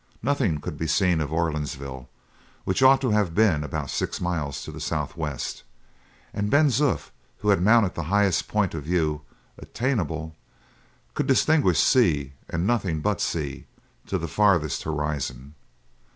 Nothing could be seen of Orleansville, which ought to have been about six miles to the southwest; and Ben Zoof, who had mounted the highest point of view attainable, could distinguish sea, and nothing but sea, to the farthest horizon.